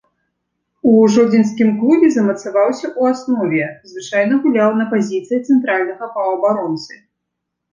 У жодзінскім клубе замацаваўся ў аснове, звычайна гуляў на пазіцыі цэнтральнага паўабаронцы.